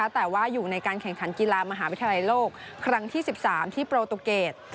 แต่ว่าอยู่ในการแข่งขันกีฬามหาวิทยาลัยโลกครั้งที่๑๓ที่โปรตูเกต